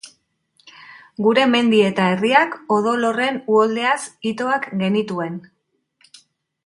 Gure mendi eta herriak odol horren uholdeaz itoak genituen.